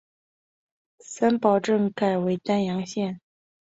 三堡镇改为丹阳县。